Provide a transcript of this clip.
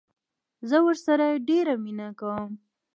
زه ورسره ډيره مينه کوم